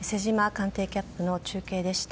官邸キャップの中継でした。